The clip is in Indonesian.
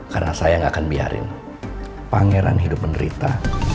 karena saya gak akan biarin pangeran hidup menderita